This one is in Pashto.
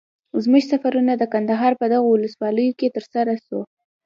زموږ سفرونه د کندهار په دغو ولسوالیو کي تر سره سو.